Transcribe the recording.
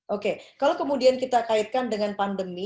oke kalau kemudian kita kaitkan dengan pandemi